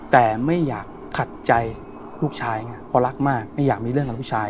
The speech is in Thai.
แต่ไม่อยากขัดใจลูกชายไงเพราะรักมากไม่อยากมีเรื่องกับลูกชาย